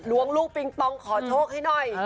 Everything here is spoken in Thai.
ล้วงลูกปิ้งต้องขอโทษให้หน่อย